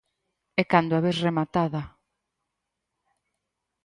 E cando a ves rematada.